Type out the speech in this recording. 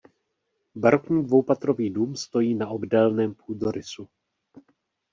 Barokní dvoupatrový dům stojí na obdélném půdorysu.